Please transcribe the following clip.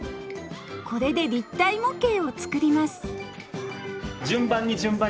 これで立体模型を作ります